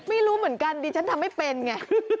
ไม่รู้เหมือนกันดิฉันทำไม่เป็นไง